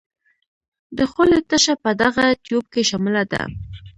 د خولې تشه په دغه تیوپ کې شامله ده.